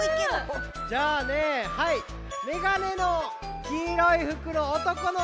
じゃあねはいめがねのきいろいふくのおとこのこ。